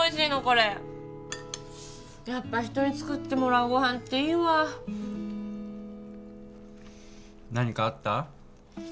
これやっぱ人に作ってもらうご飯っていいわ何かあった？